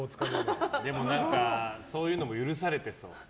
でもそういうのも許されてそう。